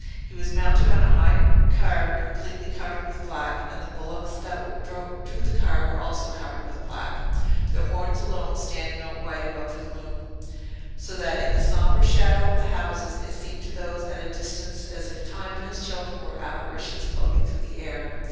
He was mounted on a high car completely covered with black, and the bullocks that drew the car were also covered with black, their horns alone standing out white above the gloom; so that in the sombre shadow of the houses it seemed to those at a distance as if Time and his children were apparitions floating through the air.